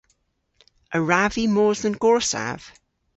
A wrav vy mos dhe'n gorsav?